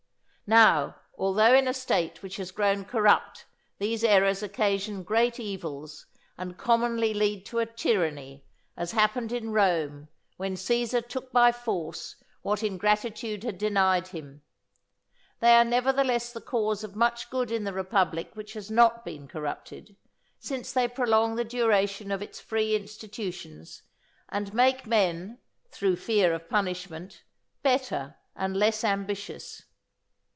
Now, although in a State which has grown corrupt these errors occasion great evils, and commonly lead to a tyranny, as happened in Rome when Cæsar took by force what ingratitude had denied him, they are nevertheless the cause of much good in the republic which has not been corrupted, since they prolong the duration of its free institutions, and make men, through fear of punishment, better and less ambitious.